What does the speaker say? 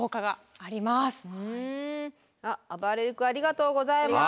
あばれる君ありがとうございます。